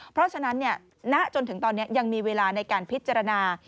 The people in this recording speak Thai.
เพราะฉะนั้นณจนถึงตอนนี้ยังมีเวลาในการพิจารณา